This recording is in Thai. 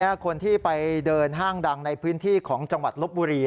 นี่คนที่ไปเดินห้างดังในพื้นที่ของจังหวัดลบบุรี